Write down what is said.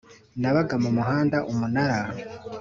Nabaga mu muhanda Umunara